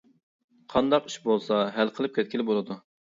قانداق ئىش بولسا ھەل قىلىپ كەتكىلى بولىدۇ.